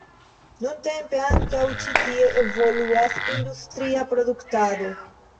Nuntempe ankaŭ ĉi tie evoluas industria produktado.